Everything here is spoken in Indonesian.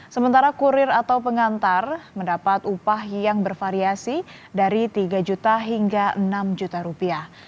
sementara kurir atau pengantar mendapat upah yang bervariasi dari tiga juta hingga enam juta rupiah